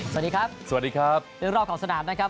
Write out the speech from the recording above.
สวัสดีครับสวัสดีครับเรื่องรอบของสนามนะครับ